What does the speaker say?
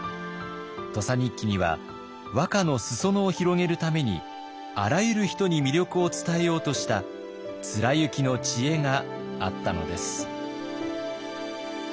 「土佐日記」には和歌の裾野を広げるためにあらゆる人に魅力を伝えようとした貫之の知恵があったのです。